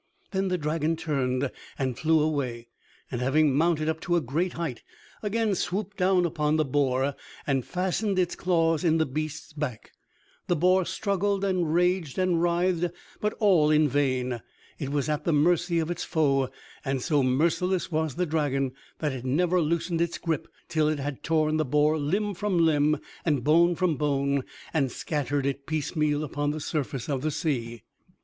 Then the dragon turned and flew away, and having mounted up to a great height, again swooped down upon the boar and fastened its claws in the beast's back. The boar struggled, and raged, and writhed, but all in vain. It was at the mercy of its foe, and so merciless was the dragon that it never loosened its grip till it had torn the boar limb from limb and bone from bone, and scattered it piecemeal upon the surface of the sea.